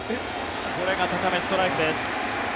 これが高め、ストライクです。